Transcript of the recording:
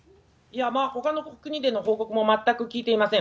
ほかの国での報告も全く聞いていません。